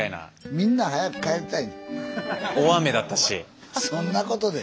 みんな早く帰りたい。